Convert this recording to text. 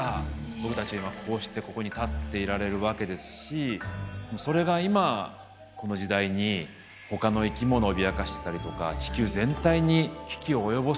今こうしてここに立っていられるわけですしそれが今この時代にほかの生き物を脅かしてたりとか地球全体に危機を及ぼすような存在になっている。